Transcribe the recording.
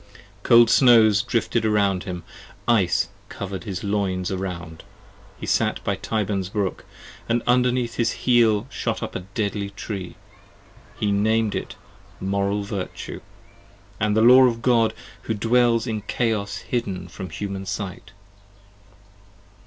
Cold snows drifted around him : ice cover'd his loins around. He sat by Tyburn's brook, and underneath his heel shot up 15 A deadly Tree: he nam'd it Moral Virtue, and the Law Of God who dwells in Chaos hidden from the human sight.